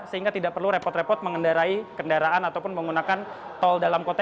sehingga tidak perlu repot repot mengendarai kendaraan ataupun menggunakan tol dalam kota